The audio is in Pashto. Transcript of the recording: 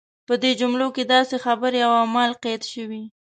په دې جملو کې داسې خبرې او اعمال قید شوي.